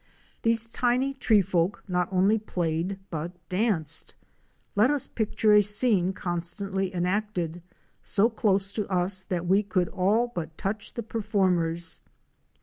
These tiny tree folk not only played, but danced. Let us picture a scene constantly enacted, so close to us that we could all but touch the performers.